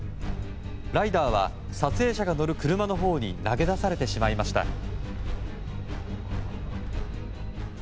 ライダーは、撮影者が乗る車のほうに投げ出されてしまいました。